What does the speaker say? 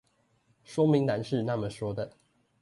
說明欄是那麼說的